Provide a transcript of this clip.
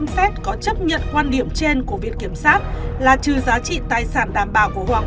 xét có chấp nhận quan điểm trên của viện kiểm sát là trừ giá trị tài sản đảm bảo của hoàng